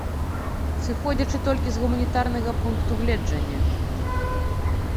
Сыходзячы толькі з гуманітарнага пункту гледжання.